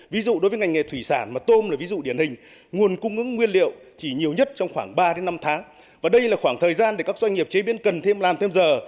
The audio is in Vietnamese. ví dụ đối với ngành nghề thủy sản mà tôm là ví dụ điển hình nguồn cung ứng nguyên liệu chỉ nhiều nhất trong khoảng ba năm tháng